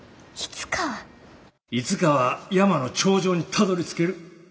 いつかは山の頂上にたどりつける。